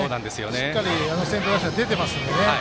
しっかり先頭打者、出てますので。